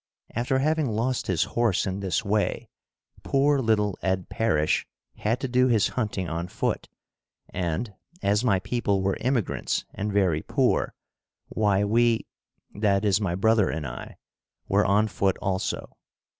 After having lost his horse in this way, poor little Ed Parish had to do his hunting on foot, and, as my people were immigrants and very poor, why we, that is my brother and I, were on foot also.